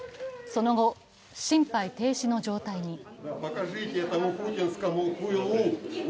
その後、心肺停止の状態に。